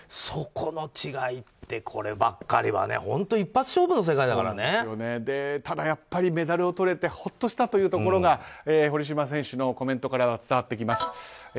そこの違いって、こればっかりはただやっぱりメダルをとれてほっとしたというところが堀島選手のコメントからは伝わってきます。